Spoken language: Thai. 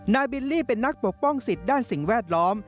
บิลลี่เป็นนักปกป้องสิทธิ์ด้านสิ่งแวดล้อม